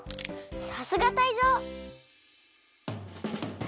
さすがタイゾウ！